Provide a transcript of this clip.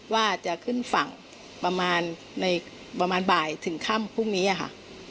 ว่าจะขึ้นฝั่งประมาณในประมาณบ่ายถึงค่ำพรุ่งนี้ค่ะ